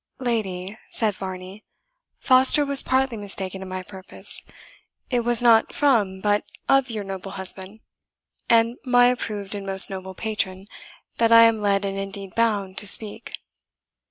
"Lady," said Varney, "Foster was partly mistaken in my purpose. It was not FROM but OF your noble husband, and my approved and most noble patron, that I am led, and indeed bound, to speak."